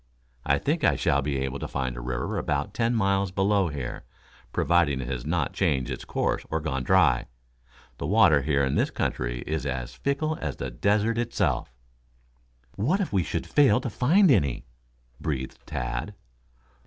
I think I shall be able to find a river about ten miles below here, providing it has not changed its course or gone dry. The water here in this country is as fickle as the desert itself." "What if we should fail to find any?" breathed Tad.